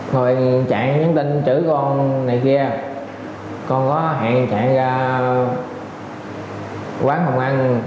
rồi chạy trang tin chửi con này kia con có hẹn chạy ra quán hồng ăn